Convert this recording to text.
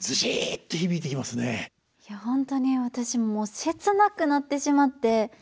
本当に私もう切なくなってしまって。